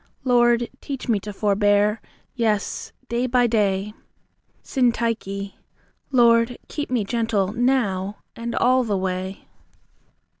Lord, teach me to forbear; yes, day by day. SYNTYCHE. Lord, keep me gentle now, and all the way.